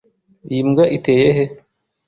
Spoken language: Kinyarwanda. Iyi mbwa iteye he?